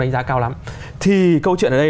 đánh giá cao lắm thì câu chuyện ở đây